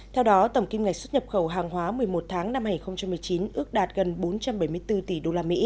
theo đó tổng kim ngạch xuất nhập khẩu hàng hóa một mươi một tháng năm hai nghìn một mươi chín ước đạt gần bốn trăm bảy mươi bốn tỷ usd